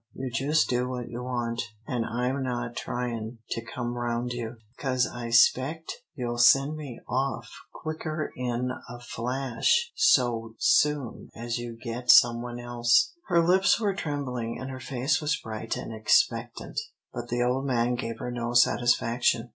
You jus' do what you want, an' I'm not tryin' to come round you, 'cause I 'spect you'll send me off quicker'n a flash so soon as you get some one else." Her lips were trembling, and her face was bright and expectant, but the old man gave her no satisfaction.